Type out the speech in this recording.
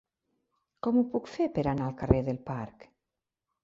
Com ho puc fer per anar al carrer del Parc?